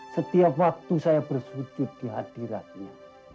setiap waktu saya bersujud di hadiratnya